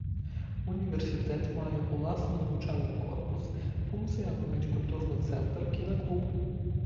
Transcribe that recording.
Універсітэт мае ўласны навучальны корпус, функцыянуюць культурны цэнтр, кінаклуб.